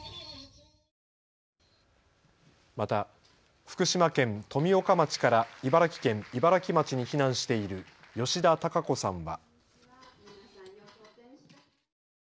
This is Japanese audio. また、福島県富岡町から茨城県茨城町に避難している吉田孝子さんは。